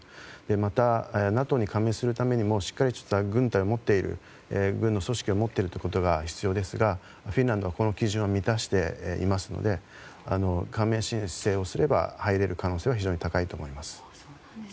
また、ＮＡＴＯに加盟するためにもしっかりとした軍隊を持っている、軍の組織を持っていることが必要ですがフィンランドはこの基準を満たしていますので加盟申請をすれば入れる可能性は非常に高いと思います。